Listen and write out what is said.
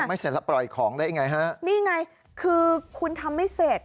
ไม่เสร็จแล้วปล่อยของได้ยังไงฮะนี่ไงคือคุณทำไม่เสร็จ